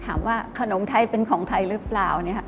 ถามว่าขนมไทยเป็นของไทยหรือเปล่า